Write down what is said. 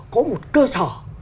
có một cơ sở